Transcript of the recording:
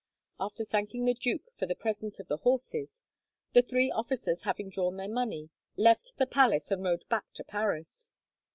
After thanking the duke for the present of the horses, the three officers, having drawn their money, left the palace and rode back to Paris.